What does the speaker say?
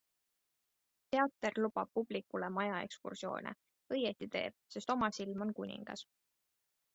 Teater lubab publikule maja ekskursioone, õieti teeb, sest oma silm on kuningas.